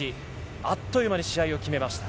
あっという間に試合を決めました。